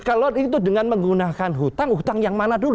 kalau itu dengan menggunakan hutang hutang yang mana dulu